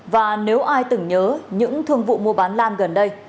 và nếu ai từng nhớ những thương vụ mua bán lan gần đây